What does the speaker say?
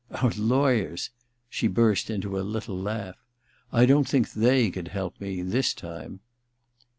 * Our lawyers !' She burst into a little laugh. *I don't think they could help me — this time.'